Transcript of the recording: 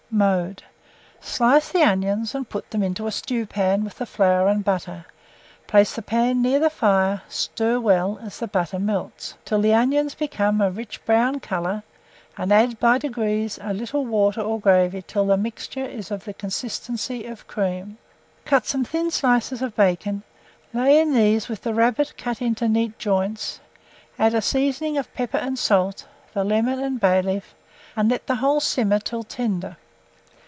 Mode. Slice the onions, and put them into a stewpan with the flour and butter; place the pan near the fire, stir well as the butter melts, till the onions become a rich brown colour, and add, by degrees, a little water or gravy till the mixture is of the consistency of cream. Cut some thin slices of bacon; lay in these with the rabbit, cut into neat joints; add a seasoning of pepper and salt, the lemon and bay leaf, and let the whole simmer until tender.